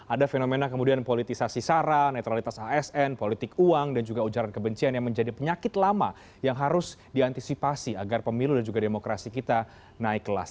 ada fenomena kemudian politisasi saran netralitas asn politik uang dan juga ujaran kebencian yang menjadi penyakit lama yang harus diantisipasi agar pemilu dan juga demokrasi kita naik kelas